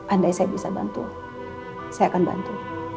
andai saya bisa bantu saya akan bantu